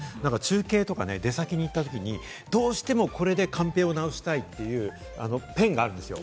中継とか、出先に行ったときにどうしてもこれでカンペを直したいっていうペンがあるんですよ。